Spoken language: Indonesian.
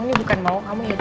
ini bukan mau kamu ya dok